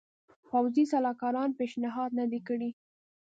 پوځي سلاکارانو پېشنهاد نه دی کړی.